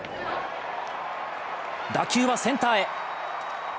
打球はセンターへ。